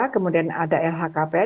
kemudian ada lhkpn